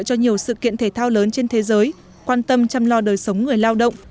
cho nhiều sự kiện thể thao lớn trên thế giới quan tâm chăm lo đời sống người lao động